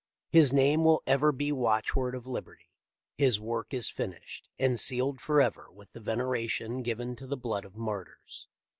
His name will ever be the watchword of liberty. His work is finished, and sealed forever with the veneration given to the blood of martyrs.